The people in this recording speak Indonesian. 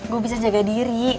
gue bisa jaga diri